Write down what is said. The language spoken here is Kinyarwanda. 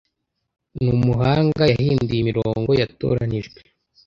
numuhanga yahinduye imirongo yatoranijwe